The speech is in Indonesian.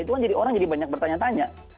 itu kan jadi orang jadi banyak bertanya tanya